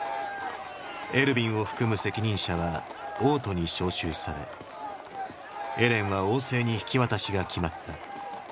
エルヴィンを含む責任者は王都に招集されエレンは王政に引き渡しが決まった。